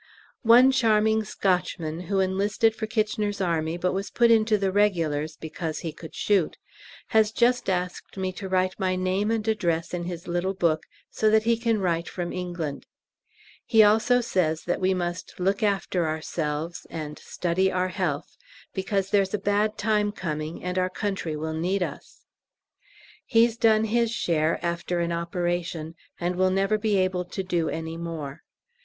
One charming Scotchman, who enlisted for K.'s Army, but was put into the Regulars because he could shoot, has just asked me to write my name and address in his little book so that he can write from England. He also says we must "look after ourselves" and "study our health," because there's a bad time coming, and our Country will need us! He's done his share, after an operation, and will never be able to do any more.